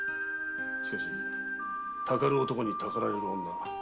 しかしたかる男にたかられる女。